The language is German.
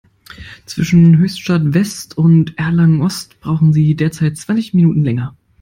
Zwischen Höchstadt-West und Erlangen-Ost brauchen Sie derzeit zwanzig Minuten länger.